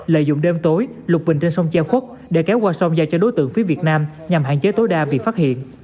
lợi dụng đêm tối lục bình trên sông che khuất để kéo qua sông giao cho đối tượng phía việt nam nhằm hạn chế tối đa việc phát hiện